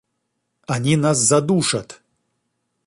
— Они нас задушат!